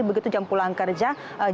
begitu jam pulang kerja